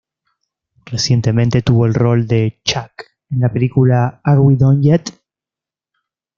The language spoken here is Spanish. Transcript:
Recientemente tuvo el rol de Chuck en la película "Are We Done Yet?".